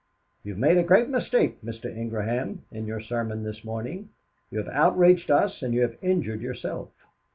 "You have made a great mistake, Mr. Ingraham, in your sermon this morning. You have outraged us and you have injured yourself.